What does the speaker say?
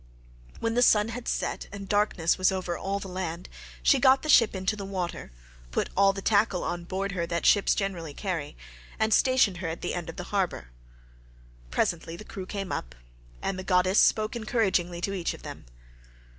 When the sun had set and darkness was over all the land, she got the ship into the water, put all the tackle on board her that ships generally carry, and stationed her at the end of the harbour. Presently the crew came up, and the goddess spoke encouragingly to each of them.